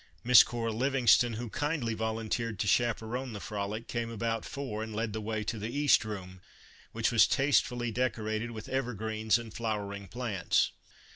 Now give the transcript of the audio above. Miss Cora Livingston, who kindly volunteered to chaperone the frolic, came about four and led the way to the East Room, which was tastefully decorated with ever greens and flowering plants.